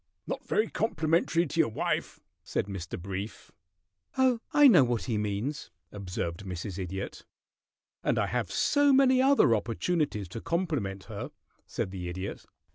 "Not very complimentary to your wife," said Mr. Brief. "Oh, I know what he means," observed Mrs. Idiot. "And I have so many other opportunities to compliment her," said the Idiot.